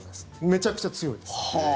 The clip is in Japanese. めちゃくちゃ強いです。